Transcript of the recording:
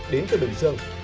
đến từ bình dương